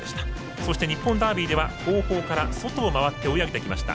そして日本ダービーでは後方から外を回って追い上げてきました。